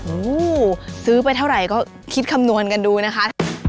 โอ้โหซื้อไปเท่าไหร่ก็คิดคำนวณกันดูนะคะ